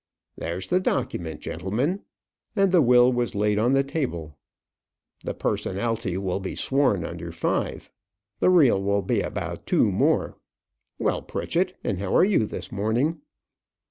There's the document, gentlemen." And the will was laid on the table. "The personalty will be sworn under five. The real will be about two more. Well, Pritchett, and how are you this morning?"